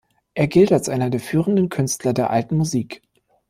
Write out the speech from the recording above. Er gilt als einer der führenden Künstler der Alten Musik.